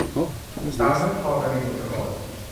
สาวเนื้อทอง - นลิน บุษกร